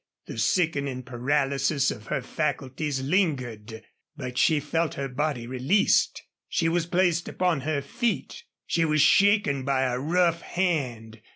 The sickening paralysis of her faculties lingered. But she felt her body released she was placed upon her feet she was shaken by a rough hand.